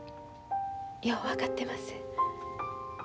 よう分かってます。